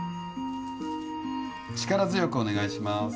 力強くお願いします